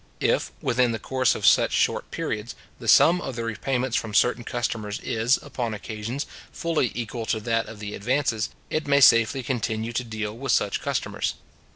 If, within the course of such short periods, the sum of the repayments from certain customers is, upon most occasions, fully equal to that of the advances, it may safely continue to deal with such customers.